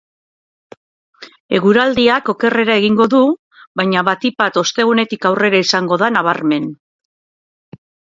Eguraldiak okerrera egingo du, baina batik bat ostegunetik aurrera izango da nabarmen.